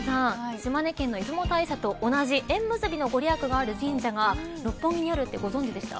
島根県の出雲大社と同じ縁結びの御利益がある神社が六本木にあるってご存じでしたか。